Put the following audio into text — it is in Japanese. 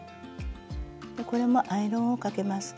これもアイロンをかけます。